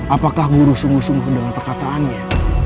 apakah guru sungguh sungguh dengan perkataannya